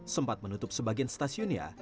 sempat menutup sebagian stasiunnya